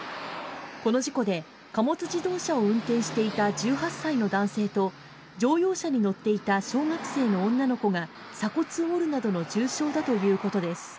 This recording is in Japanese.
この事故で貨物自動車を運転していた１８歳の男性と乗用車に乗っていた小学生の女の子が鎖骨を折るなどの重傷だということです。